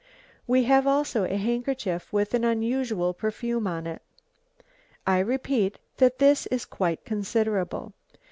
We have also a handkerchief with an unusual perfume on it. I repeat that this is quite considerable.